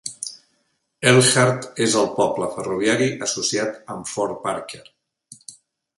Elkhart és el "poble ferroviari" associat amb Fort Parker.